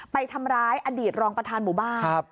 ไปทำร้ายอดีตรองประธานหมู่บ้าน